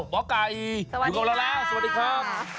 หมอกไกยบุคลาสวัสดีครับ